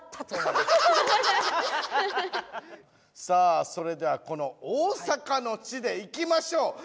さあそれではこの大阪の地でいきましょう。